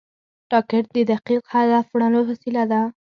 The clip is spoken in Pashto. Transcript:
راکټ د دقیق هدف وړلو وسیله ده